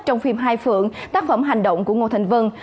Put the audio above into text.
trong phim hai phượng tác phẩm hành động của ngô thành vân